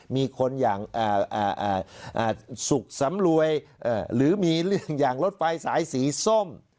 มีคนอย่างสุขสำรวยหรือมีเรื่องอย่างรถไฟสายสีส้ม